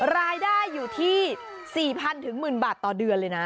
รายได้อยู่ที่๔๐๐๐๑๐๐บาทต่อเดือนเลยนะ